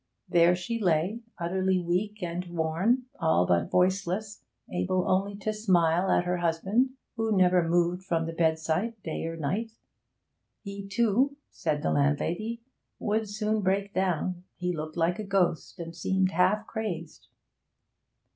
There she lay utterly weak and worn, all but voiceless, able only to smile at her husband, who never moved from the bedside day or night. He, too,' said the landlady, 'would soon break down: he looked like a ghost, and seemed "half crazed."'